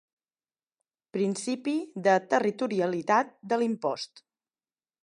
Principi de territorialitat de l'impost.